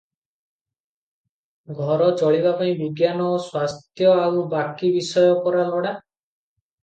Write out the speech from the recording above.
ଘର ଚଳିବା ପାଇଁ ବିଜ୍ଞାନ, ସ୍ୱାସ୍ଥ୍ୟ ଆଉ ବାକି ବିଷୟ ପରା ଲୋଡ଼ା ।